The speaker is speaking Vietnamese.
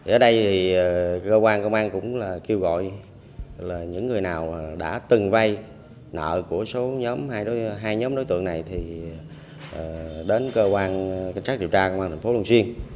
ở đây thì cơ quan công an cũng kêu gọi là những người nào đã từng vay nợ của số hai nhóm đối tượng này thì đến cơ quan cảnh sát điều tra công an thành phố long xuyên